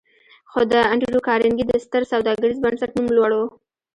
خو د انډريو کارنګي د ستر سوداګريز بنسټ نوم لوړ و.